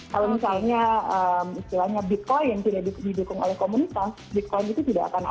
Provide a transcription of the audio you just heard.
kalau misalnya istilahnya bitcoin tidak didukung oleh komunitas bitcoin itu tidak akan ada